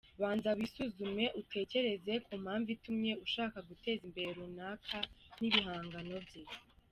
Banza wisuzume utekereze ku mpamvu itumye ushaka guteza imbere runaka n’ibihangano bye.